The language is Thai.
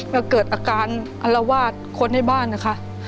ก็เกิดอาการอรวาสคนในบ้านอะค่ะ